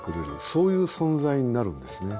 そういう存在になるんですね。